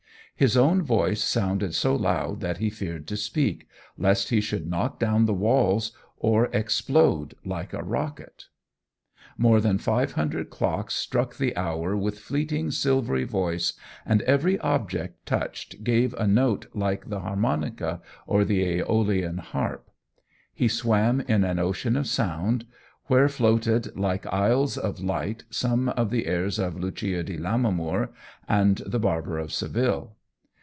His own voice sounded so loud that he feared to speak, lest he should knock down the walls or explode like a rocket. More than five hundred clocks struck the hour with fleeting silvery voice, and every object touched gave a note like the harmonica or the Æolian harp. He swam in an ocean of sound, where floated like aisles of light some of the airs of "Lucia di Lammermoor" and the "Barber of Seville."